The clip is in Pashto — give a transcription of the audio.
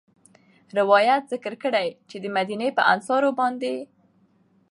روايت ذکر کړی چې د مديني په انصارو باندي